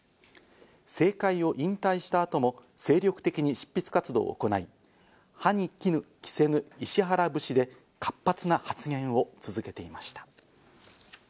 政界を引退した後も精力的に執筆活動を行い、歯に衣着せぬ石原節で活発な発言を続けていました。